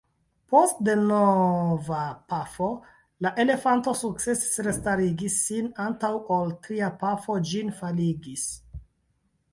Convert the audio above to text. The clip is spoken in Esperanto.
Post denova pafo la elefanto sukcesis restarigi sin antaŭ ol tria pafo ĝin faligis.